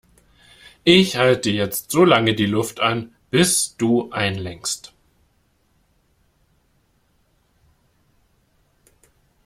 Ich halte jetzt so lange die Luft an, bis du einlenkst.